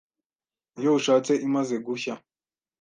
Iyo ushatse imaze gushya,